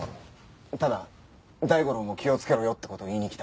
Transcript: ただ大五郎も気をつけろよって事を言いに来た。